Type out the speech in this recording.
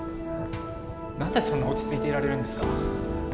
何でそんな落ち着いていられるんですか。